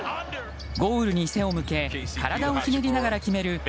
ゴールに背を向け体をひねりながら決める